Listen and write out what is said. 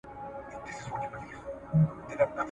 د علم په مرسته، د مشکلاتو پر وړاندې حل لاري موندل کیږي.